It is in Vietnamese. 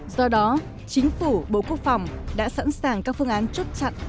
do đó chính phủ bộ quốc phòng đã sẵn sàng các phương án chốt chặn